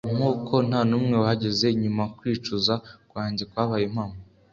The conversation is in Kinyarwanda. nkuko ntanumwe wahageze nyuma kwicuza kwanjye kwabaye impamo